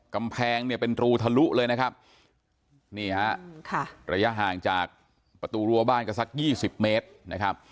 กำแพงเนี่ยเป็นรูทะลุเลยนะครับนี่ฮะระยะห่างจากประตูรัวบ้านก็สัก๒๐เมตรนะครับ